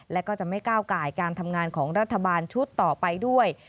และก็จะไม่ก้าวไก่การทำงานของรัฐบาลชุดต่อไปด้วย